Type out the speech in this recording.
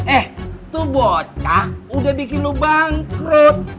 eh tuh bocah udah bikin lu bangkrut